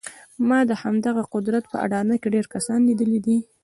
ما د همدغه قدرت په اډانه کې ډېر کسان لیدلي دي